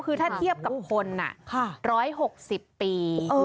คือถ้าเทียบกับคน๑๖๐ปี